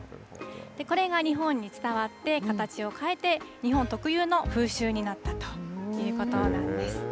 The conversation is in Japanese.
これが日本に伝わって、形を変えて、日本特有の風習になったということなんです。